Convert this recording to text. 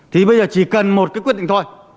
thì bây giờ chỉ cần một cái quyết định thôi